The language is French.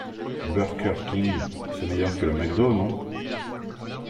Burker King c'est meilleur que le MacDo non?